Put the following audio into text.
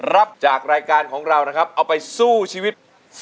รับจากรายการของเรานะครับเอาไปสู้ชีวิต